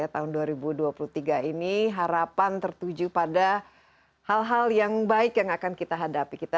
tahun dua ribu dua puluh tiga ini harapan tertuju pada hal hal yang baik yang akan kita hadapi